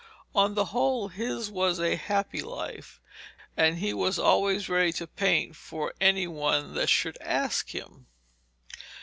On the whole his was a happy life, and he was always ready to paint for any one that should ask him.